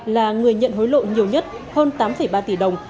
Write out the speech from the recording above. là người nhận hối lộ nhiều nhất hơn tám ba tỷ đồng